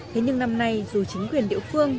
thế nhưng năm nay dù chính quyền địa phương